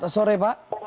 selamat sore pak